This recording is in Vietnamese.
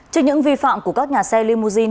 trên những vi phạm của các nhà xe limousine